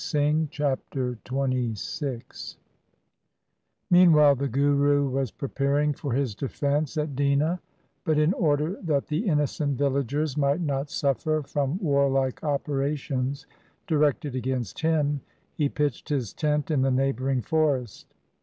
Chapter XXVI Meanwhile the Guru was preparing for his defence at Dina, but in order that the innocent villagers might not suffer from warlike operations directed against him, he pitched his tent in the neighbouring forest.